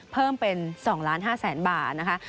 เพิ่มเป็น๒๕๐๐๐๐บาทนะคะ